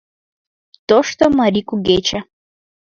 Тошто марий Кугече —